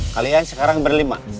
kalian sekarang berlima